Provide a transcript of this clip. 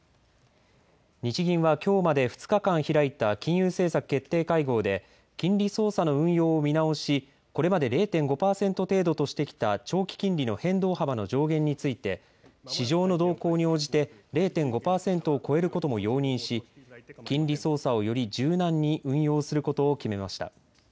日銀はきょうまで２日間開いた金融政策決定会合で、金利操作の運用を見直し、これまで０．５％程度としてきた長期金利の変動幅の上限について、市場の動向に応じて、０．５％を超えることも容認し、金利操作をより柔軟に運用することを決めました。